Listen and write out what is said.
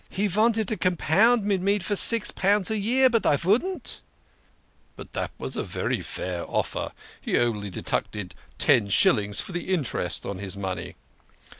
THE KING OF SCHNORRERS. 69 He vanted to compound mid me for six pound a year, but I vouldn't." "But it was a very fair offer. He only deducted ten shillings for the interest on his money."